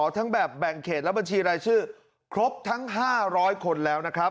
ทั้งแบบแบ่งเขตและบัญชีรายชื่อครบทั้ง๕๐๐คนแล้วนะครับ